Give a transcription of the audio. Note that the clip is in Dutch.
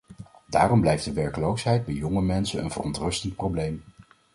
Daarom blijft de werkloosheid bij jonge mensen een verontrustend probleem.